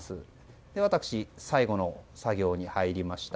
そして最後の作業に入りました。